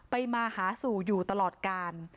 มาหาสู่อยู่ตลอดการ